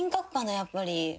やっぱり。